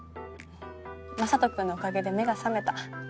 雅人君のおかげで目が覚めた。